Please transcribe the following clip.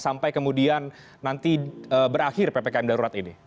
sampai kemudian nanti berakhir ppkm darurat ini